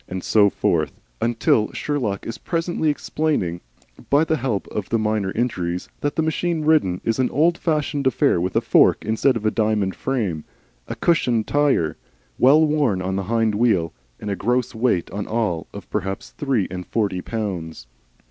And so forth, until Sherlock is presently explaining, by the help of the minor injuries, that the machine ridden is an old fashioned affair with a fork instead of the diamond frame, a cushioned tire, well worn on the hind wheel, and a gross weight all on of perhaps three and forty pounds.